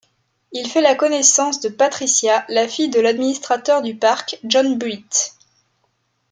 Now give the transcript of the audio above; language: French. Il fait la connaissance de Patricia, la fille de l'administrateur du parc, John Bullit.